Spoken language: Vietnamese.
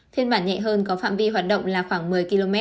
thôn bản nhẹ hơn có phạm vi hoạt động là khoảng một mươi km